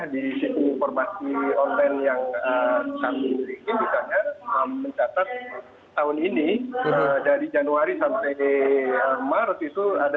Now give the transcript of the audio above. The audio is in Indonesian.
di siti informasi online yang kami miliki misalnya mencatat tahun ini dari januari sampai maret itu ada satu ratus dua puluh tiga